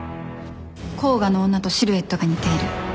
甲賀の女とシルエットが似ている。